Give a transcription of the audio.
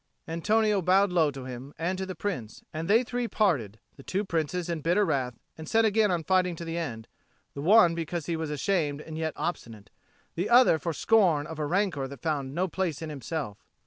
Antonio bowed low to him and to the Prince; and they three parted, the two princes in bitter wrath, and set again on fighting to the end, the one because he was ashamed and yet obstinate, the other for scorn of a rancour that found no place in himself.